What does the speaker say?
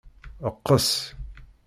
Qqes.